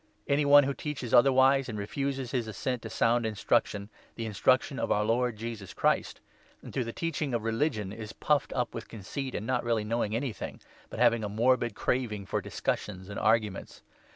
Any one who teaches otherwise, and 3 refuses his assent to sound instruction — the in struction of our Lord Jesus Christ — and to the teaching of religion, is puffed up with conceit, not really knowing 4 anything, but having a morbid craving for discussions and arguments.